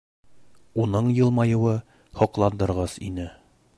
Уның йылмайыуы һоҡландырғыс ине.